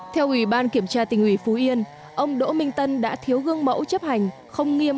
theo ủy ban kiểm tra tỉnh ủy phú yên ông đỗ minh tân đã thiếu gương mẫu chấp hành không nghiêm